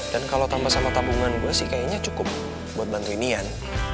dan kalau tambah sama tabungan gue sih kayaknya cukup buat bantuin ian